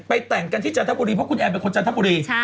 แต่งกันที่จันทบุรีเพราะคุณแอนเป็นคนจันทบุรี